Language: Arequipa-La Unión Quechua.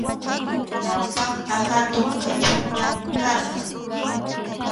Ñawpaqqa hatun kanchunllam karqan.